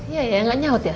iya ya nggak nyaut ya